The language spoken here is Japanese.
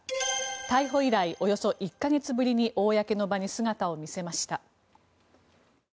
逮捕以来およそ１か月ぶりに公の場に姿を見せました。